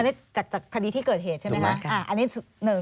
อันนี้จากคดีที่เกิดเหตุใช่ไหมคะอันนี้๑ถูกไหม